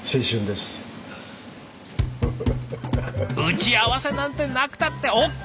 打ち合わせなんてなくたってＯＫ！